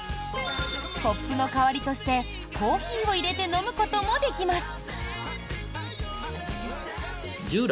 コップの代わりとしてコーヒーを入れて飲むこともできます。